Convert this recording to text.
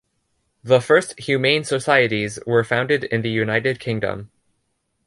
The first humane societies were founded in the United Kingdom.